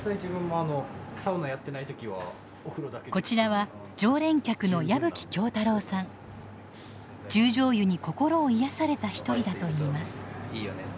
こちらは十條湯に心を癒やされた一人だといいます。